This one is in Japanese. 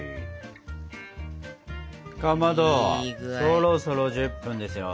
かまどそろそろ１０分ですよ。